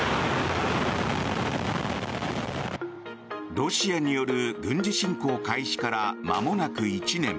ロシアによる軍事侵攻開始からまもなく１年。